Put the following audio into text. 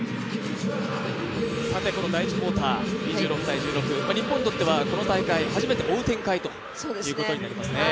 この第１クオーター、２６−１６、この大会初めて追う展開ということになりますね。